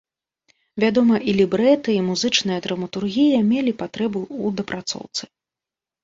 Вядома, і лібрэта, і музычная драматургія мелі патрэбу ў дапрацоўцы.